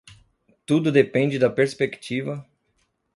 Tudo depende da perspectiva